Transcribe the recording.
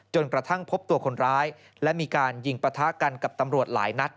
กระทั่งพบตัวคนร้ายและมีการยิงปะทะกันกับตำรวจหลายนัด